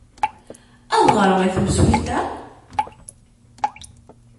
Ad ɣreɣ i temsulta!